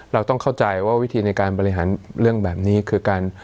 เราต้องเข้าใจว่าวิธีในการบริหารเรื่องแบบนี้คือการ